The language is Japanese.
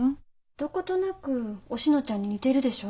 どことなくおしのちゃんに似てるでしょ？